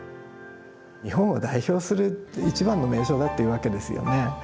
日本を代表する一番の名所だって言うわけですよね。